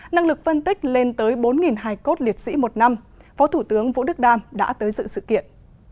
năng lực phân tích lên tới bốn hai cốt liệt sĩ một năm phó thủ tướng vũ đức đam đã tới dự sự kiện